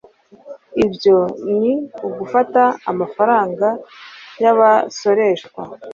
ibyo ni uguta amafaranga yabasoreshwa